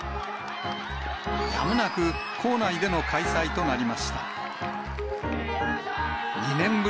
やむなく校内での開催となりました。